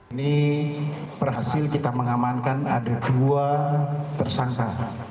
ini berhasil kita mengamankan ada dua tersangka